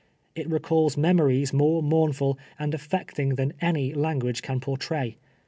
It recalls memories more mournful and afi'ecting than any language can por tray.